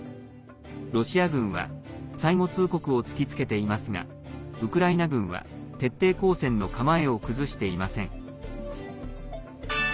ロシア軍は最後通告を突きつけていますがウクライナ軍は徹底抗戦の構えを崩していません。